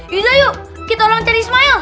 yudha yuk kita orang cari ismail